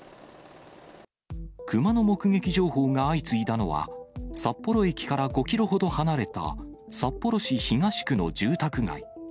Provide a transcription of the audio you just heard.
クマの目撃情報が相次いだのは、札幌駅から５キロほど離れた札幌市東区の住宅街。